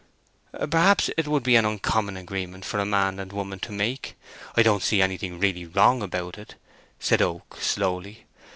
"Perhaps it would be an uncommon agreement for a man and woman to make: I don't see anything really wrong about it," said Oak, slowly.